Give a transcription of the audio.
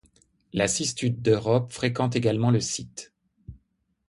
La Cistude d'Europe fréquente également le site.